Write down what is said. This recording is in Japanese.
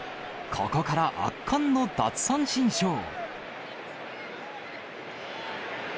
ここから圧巻の奪三振ショー。